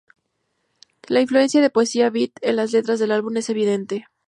La influencia de poesía beat en las letras del álbum es evidente.